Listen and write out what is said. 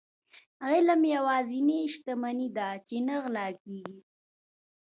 علم يوازنی شتمني ده چي نه غلا کيږي.